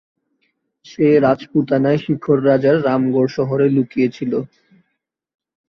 সে রাজপুতানায় শিখর রাজার রামগড় শহরে লুকিয়ে ছিল।